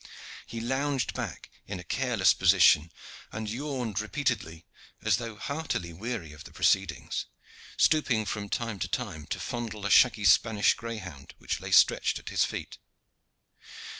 He lounged back in a careless position, and yawned repeatedly as though heartily weary of the proceedings, stooping from time to time to fondle a shaggy Spanish greyhound which lay stretched at his feet.